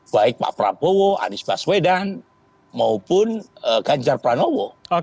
baik pak prabowo anies baswedan maupun ganjar pranowo